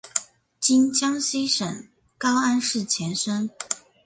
今江西省高安市前身。